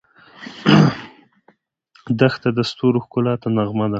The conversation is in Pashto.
دښته د ستورو ښکلا ته نغمه ده.